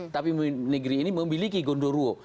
tapi negeri ini memiliki gondoruo